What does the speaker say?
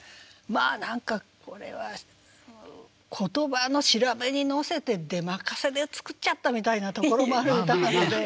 まあ何かこれは言葉の調べに乗せて出任せで作っちゃったみたいなところもある歌なので。